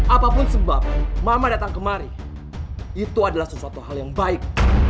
apapun sebab mama datang kemari itu adalah sesuatu hal yang baik